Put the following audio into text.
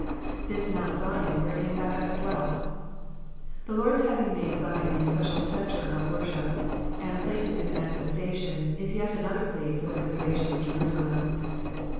^'' This mount Zion^ wherein thou hast dwelt.''' The Lord's having made Zion the especial centre of his worship, and place of his manifestation, is yet another plea for the preservation of Jerusalem.